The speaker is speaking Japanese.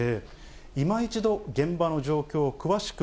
いま一度、現場の状況を詳しく、